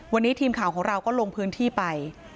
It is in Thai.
วันนี้ทีมข่าวของเราก็ลงพื้นที่ไป